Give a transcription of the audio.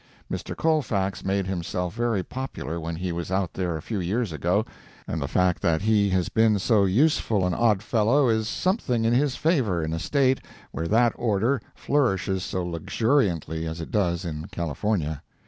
Mr. Colfax made himself very popular when he was out there a few years ago, and the fact that he has been so useful an Odd Fellow is something in his favor in a State where that order flourishes so luxuriantly as it does in California.